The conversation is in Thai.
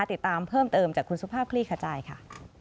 ติดตามเพิ่มเติมจากคุณสุภาพคลี่ขจายค่ะ